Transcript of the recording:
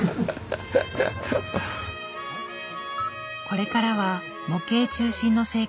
これからは模型中心の生活。